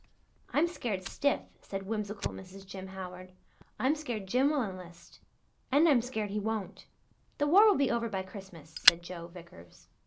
"I'm scared stiff," said whimsical Mrs. Jim Howard. "I'm scared Jim will enlist and I'm scared he won't." "The war will be over by Christmas," said Joe Vickers.